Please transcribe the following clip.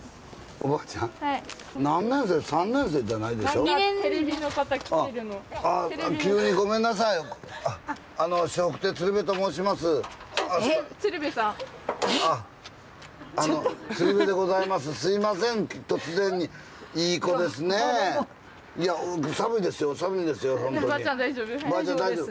おばあちゃん大丈夫？